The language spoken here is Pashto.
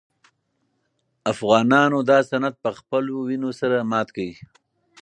افغانانو دا سند په خپلو وینو سره مات کړ.